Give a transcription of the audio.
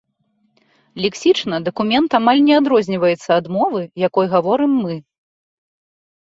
Лексічна дакумент амаль не адрозніваецца ад мовы, якой гаворым мы.